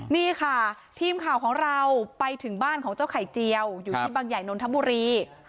นี่ค่ะทีมข่าวของเราไปถึงบ้านของเจ้าไข่เจียวอยู่ที่บางใหญ่นนทบุรี